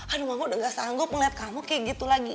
aduh mama udah gak sanggup ngeliat kamu kayak gitu lagi